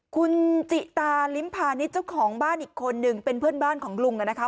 คุณจิตาลิ้มพาณิชย์เจ้าของบ้านอีกคนนึงเป็นเพื่อนบ้านของลุงนะคะ